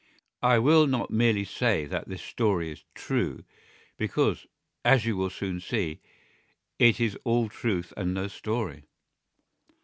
I will not merely say that this story is true: because, as you will soon see, it is all truth and no story.